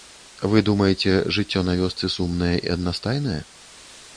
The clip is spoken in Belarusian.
Вы думаеце, жыццё на вёсцы сумнае і аднастайнае?